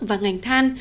và ngành than